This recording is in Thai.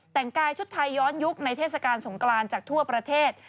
แต่งกายชุดไทยย้อนยุคในเทศกาลสงกรานจากทั่วประเทศ